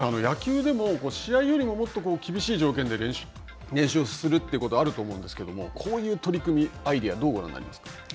そして落合さん、野球でも試合よりももっと厳しい条件で練習をするということはあると思うんですけども、こういう取組、アイデア、どうご覧になりますか。